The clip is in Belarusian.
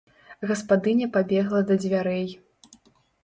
Гаспадыня пабегла да дзвярэй.